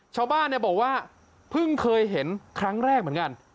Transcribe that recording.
ชาวบ้านเนี่ยบอกว่าเพิ่งเคยเห็นครั้งแรกเหมือนกัน